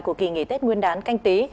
của kỳ nghỉ tết nguyên đán canh tí